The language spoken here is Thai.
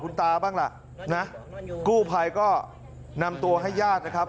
คุณตาบ้างล่ะนะกู้ภัยก็นำตัวให้ญาตินะครับ